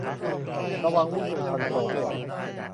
ระวังวุ่นจนคอนโทรลไม่ไหว